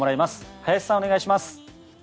林さん、お願いします。